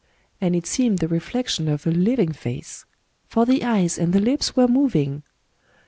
And it seemed the reflection of a living face ; for the eyes and the lips were moving.